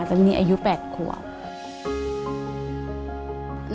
ดังนี้อายุ๘ค่วง